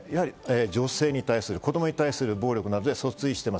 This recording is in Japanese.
女性に対する子供に対する暴力などで訴追しています。